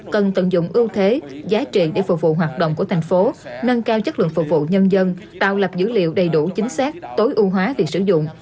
cần tận dụng ưu thế giá trị để phục vụ hoạt động của thành phố nâng cao chất lượng phục vụ nhân dân tạo lập dữ liệu đầy đủ chính xác tối ưu hóa việc sử dụng